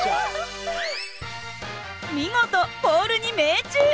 見事ボールに命中！